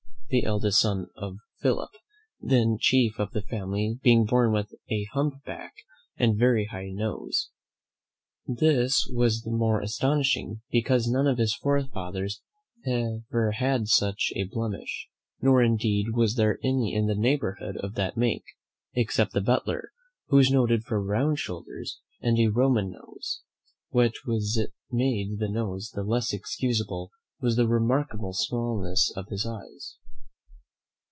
the eldest son of Philip, then chief of the family, being born with a hump back and very high nose. This was the more astonishing, because none of his forefathers ever had such a blemish, nor indeed was there any in the neighbourhood of that make, except the butler, who was noted for round shoulders and a Roman nose; what made the nose the less excusable was the remarkable smallness of his eyes.